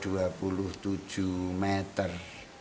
dasarnya dua meter